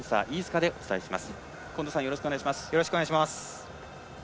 よろしくお願いします。